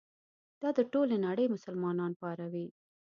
دا د ټولې نړۍ مسلمانان پاروي.